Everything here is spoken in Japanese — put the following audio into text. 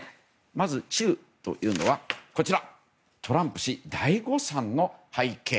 まず「中」というのはトランプ氏、大誤算の背景。